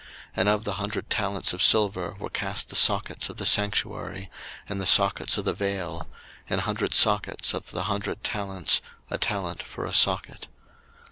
02:038:027 And of the hundred talents of silver were cast the sockets of the sanctuary, and the sockets of the vail; an hundred sockets of the hundred talents, a talent for a socket.